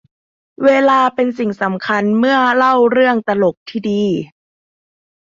เวลาเป็นสิ่งสำคัญเมื่อเล่าเรื่องตลกที่ดี